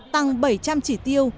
tăng bảy trăm linh trị tiêu